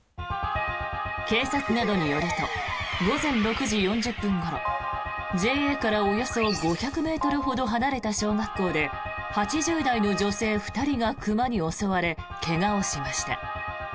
警察などによると午前６時４０分ごろＪＡからおよそ５００ｍほど離れた小学校で８０代の女性２人が熊に襲われ怪我をしました。